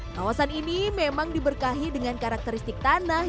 kawasan ini memang diberkahi dengan karakteristik tanah